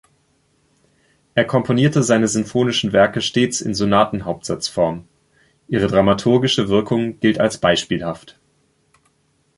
Er komponierte seine sinfonischen Werke stets in Sonatenhauptsatzform; ihre dramaturgische Wirkung gilt als beispielhaft.